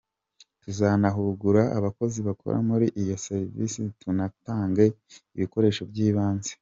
Tuzanahugura abakozi bakora muri iyo serivisi tunatange ibikoresho by’ibanze.